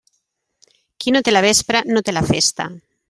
Qui no té la vespra, no té la festa.